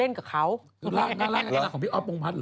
น่ารักที่สุด